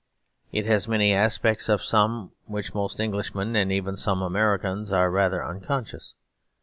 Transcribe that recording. It has many aspects, of some of which most Englishmen and even some Americans are rather unconscious.